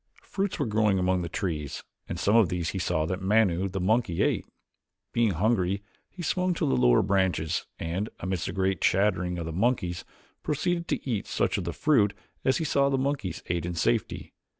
Fruits were growing among the trees and some of these he saw that Manu, the monkey, ate. Being hungry he swung to the lower branches and, amidst a great chattering of the monkeys, proceeded to eat such of the fruit as he saw the monkeys ate in safety.